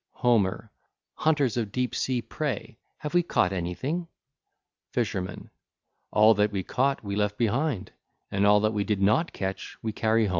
XVII. HOMER: Hunters of deep sea prey, have we caught anything? FISHERMAN: All that we caught we left behind, and all that we did not catch we carry home.